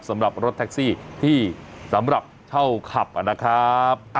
สำหรับรถแท็กซี่ที่สำหรับเช่าขับนะครับ